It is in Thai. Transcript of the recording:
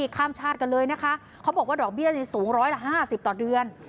ข้ามชาติกันเลยนะคะเขาบอกว่าดอกเบี้ยสูงร้อยละห้าสิบต่อเดือน